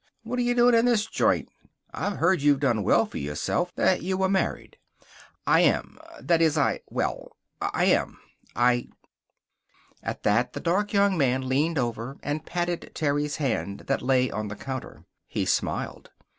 What're you doing in this joint? I'd heard you'd done well for yourself. That you were married." "I am. That is I well, I am. I " At that the dark young man leaned over and patted Terry's hand that lay on the counter. He smiled.